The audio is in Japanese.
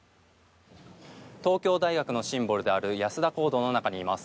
東京大学のシンボルである安田講堂の中にいます。